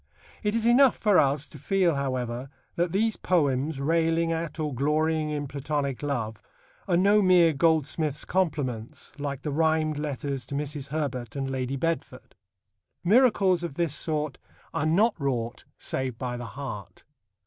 It is enough for us to feel, however, that these poems railing at or glorying in Platonic love are no mere goldsmith's compliments, like the rhymed letters to Mrs. Herbert and Lady Bedford. Miracles of this sort are not wrought save by the heart.